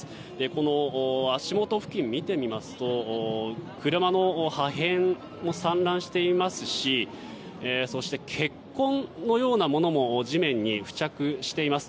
この足元付近を見てみますと車の破片も散乱していますしそして血痕のようなものも地面に付着しています。